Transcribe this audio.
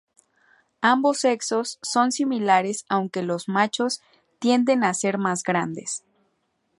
Ambos sexos son similares aunque los machos tienden a ser más grandes.